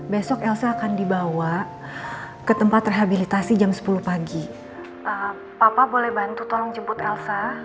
besok elsa akan dibawa ke tempat rehabilitasi jam sepuluh pagi papa boleh bantu tolong jemput elsa